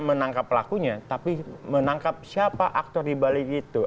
menangkap pelakunya tapi menangkap siapa aktor di bali gitu